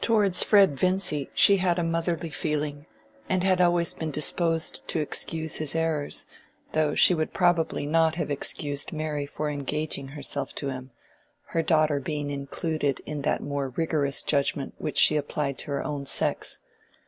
Towards Fred Vincy she had a motherly feeling, and had always been disposed to excuse his errors, though she would probably not have excused Mary for engaging herself to him, her daughter being included in that more rigorous judgment which she applied to her own sex.